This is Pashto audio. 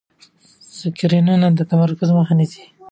سکرینونه د تمرکز مخه نیسي.